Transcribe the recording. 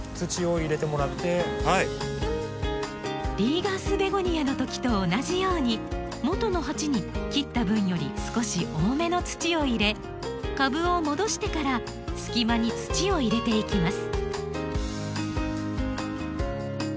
リーガースベゴニアの時と同じようにもとの鉢に切った分より少し多めの土を入れ株を戻してから隙間に土を入れていきます。